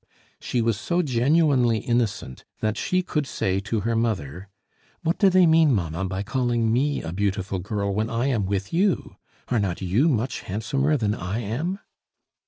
She was so genuinely innocent, that she could say to her mother: "What do they mean, mamma, by calling me a beautiful girl when I am with you? Are not you much handsomer than I am?"